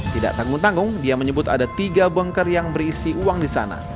tidak tanggung tanggung dia menyebut ada tiga bunker yang berisi uang di sana